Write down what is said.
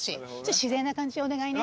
自然な感じでお願いね。